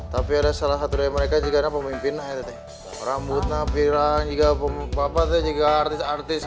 tapi ada salah satu dari mereka juga pemimpinnya tuh tuh rambutnya piring juga apa tuh juga artis artis